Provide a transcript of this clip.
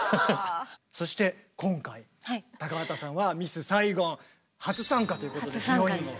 そして今回高畑さんは「ミス・サイゴン」初参加ということでヒロインを。